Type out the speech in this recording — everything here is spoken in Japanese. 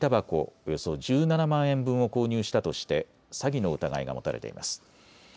およそ１７万円分を購入したとして詐欺の疑いが持たれています。